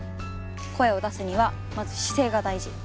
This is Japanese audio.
声を出すにはまず姿勢が大事。